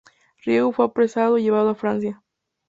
Riego fue apresado y llevado a Francia.